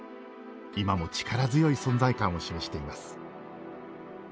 今も力強い存在感を示しています。